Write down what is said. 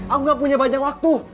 aku gak punya banyak waktu